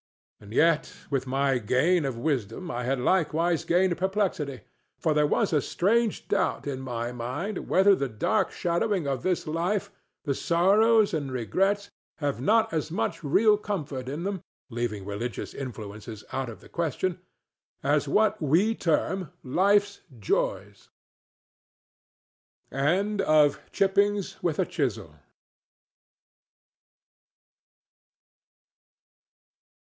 And yet with my gain of wisdom I had likewise gained perplexity; for there was a strange doubt in my mind whether the dark shadowing of this life, the sorrows and regrets, have not as much real comfort in them—leaving religious influences out of the question—as what we term life's joys. THE SHAKER BRIDAL One day, in the sick c